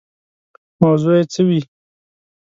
موضوع یې څه وي.